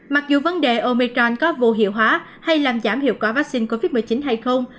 mặc dù vấn đề omechon có vô hiệu hóa hay làm giảm hiệu quả vaccine covid một mươi chín hay không